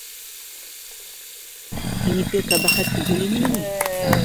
Һинеке ҡәбәхәт түгел инеме ни?